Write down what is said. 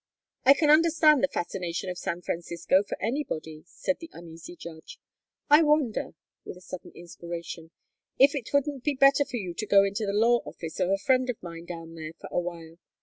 "I can understand the fascination of San Francisco for anybody," said the uneasy judge. "I wonder " with a sudden inspiration, "if it wouldn't be better for you to go into the law office of a friend of mine down there for a while.